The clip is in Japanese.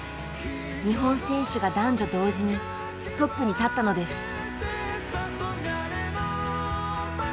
日本選手が男女同時にトップに立ったのです。